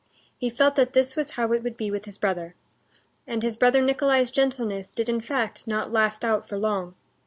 He felt that this was how it would be with his brother. And his brother Nikolay's gentleness did in fact not last out for long.